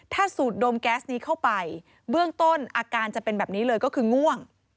ถ้าสูดดมแก๊สนี้เข้าไปเบื้องต้นอาการจะเป็นแบบนี้เลยก็คือง่วง